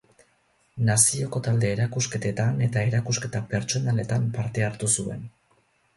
Nazioko talde erakusketetan eta erakusketa pertsonaletan parte hartu zuen.